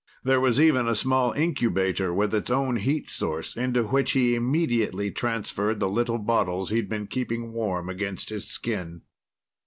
There was even a small incubator with its own heat source into which he immediately transferred the little bottles he'd been keeping warm against his skin.